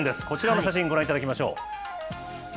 こちらの写真、ご覧いただきましょう。